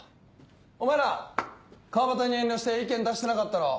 お前ら川端に遠慮して意見出してなかったろ？